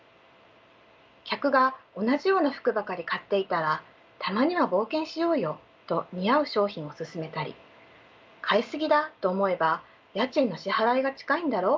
客が同じような服ばかり買っていたら「たまには冒険しようよ」と似合う商品を薦めたり買い過ぎだと思えば「家賃の支払いが近いんだろう。